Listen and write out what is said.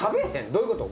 どういうこと？